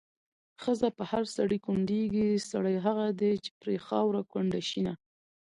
ښځه په هر سړي کونډيږي، سړی هغه دی چې پرې خاوره کونډه شينه